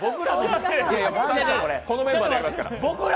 このメンバーでやりますから。